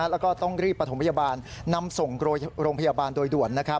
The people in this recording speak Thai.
แล้วก็ต้องรีบประถมพยาบาลนำส่งโรงพยาบาลโดยด่วน